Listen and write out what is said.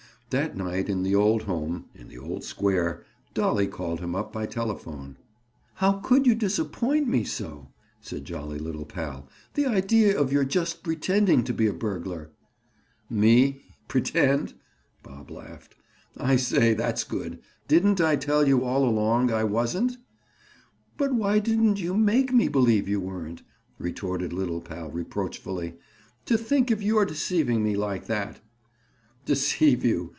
That night, in the old home, in the old square, Dolly called him up by telephone. "How could you disappoint me so!" said jolly little pal. "The idea of your just pretending to be a burglar." "Me, pretend?" Bob laughed. "I say, that's good. Didn't I tell you all along I wasn't?" "But why didn't you make me believe you weren't?" retorted little pal reproachfully. "To think of your deceiving me like that!" "Deceive you?